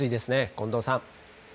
近藤さん。